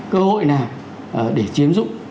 cơ hội nào để chiếm giúp